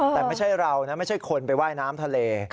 แต่ไม่ใช่เรานะไม่ใช่คนไปว่ายน้ำทะเล